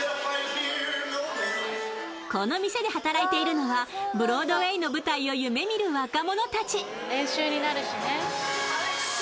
この店で働いているのはブロードウェイの舞台を夢見る若者たち。